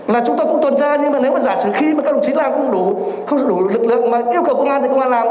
là chúng ta cũng tuần tra nhưng mà nếu mà giả sử khi mà các lực lượng làm không đủ lực lượng mà yêu cầu công an thì công an làm